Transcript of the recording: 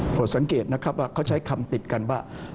พอสังเกตนะครับว่าเขาใช้คำติดกันว่า